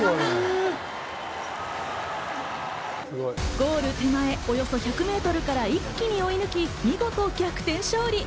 ゴール手前、およそ１００ｍから一気に追い抜き、見事逆転勝利。